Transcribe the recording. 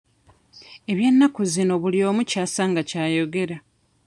Eby'ennaku zino buli omu ky'asanga ky'ayogera.